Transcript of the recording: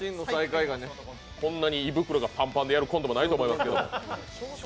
こんなに胃袋がパンパンでやるコントもないでしょうけど。